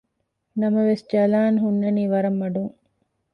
ނަމަވެސް ޖަލާން ހުންނަނީ ވަރަށް މަޑުން